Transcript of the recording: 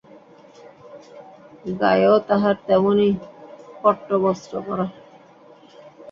গায়েও তাহার তেমনি পট্টবস্ত্র পরা।